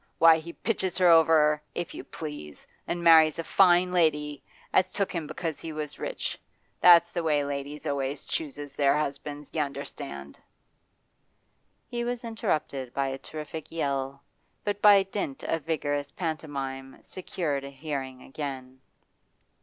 Why, he pitches her over, if you please, an' marries a fine lady, as took him because he was rich that's the way ladies always chooses their husbands, y'understand.' He was interrupted by a terrific yell, but by dint of vigorous pantomime secured a hearing again.